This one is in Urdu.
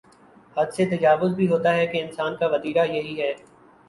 حد سے تجاوز بھی ہوتا ہے کہ انسان کا وتیرہ یہی ہے۔